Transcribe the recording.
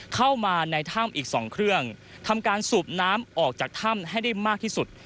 เข้ามาในถ้ำอีก๒เครื่องทำการสูบน้ำออกจากถ้ำให้ได้มากที่สุด